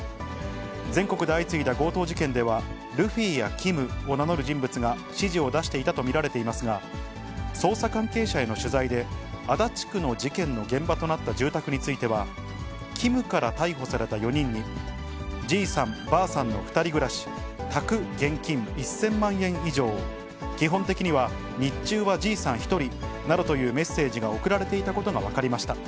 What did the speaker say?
全国で相次いだ強盗事件では、ルフィやキムを名乗る人物が指示を出していたと見られていますが、捜査関係者への取材で、足立区の事件の現場となった住宅については、キムから逮捕された４人に、じいさん、ばあさんの２人暮らし、宅現金１０００万円以上、基本的には、日中はじいさん１人などというメッセージが送られていたことが分かりました。